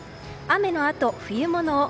雨のあと、冬物を。